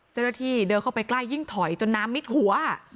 เจ้าหน้าที่เดินเข้าไปใกล้ยิ่งถอยจนน้ำมิดหัว